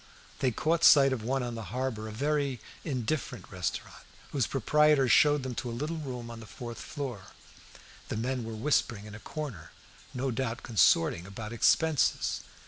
They caught sight of one on the harbour, a very indifferent restaurant, whose proprietor showed them to a little room on the fourth floor. The men were whispering in a corner, no doubt consorting about expenses.